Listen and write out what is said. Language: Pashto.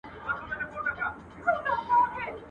o يو وار نوک ځاى که، بيا سوک.